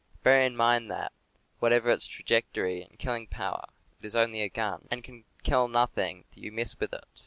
Bear in mind that, whatever its trajectory and killing power, it is only a gun, and can kill nothing that you miss with it.